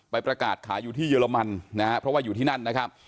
ประกาศขายอยู่ที่เยอรมันนะฮะเพราะว่าอยู่ที่นั่นนะครับ